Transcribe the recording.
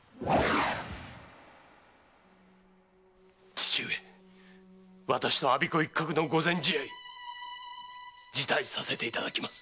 父上私と我孫子一角の御前試合辞退させていただきます！